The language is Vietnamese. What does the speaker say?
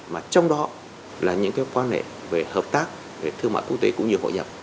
mà trong đó là những cái quan hệ về hợp tác về thương mại quốc tế cũng như hội nhập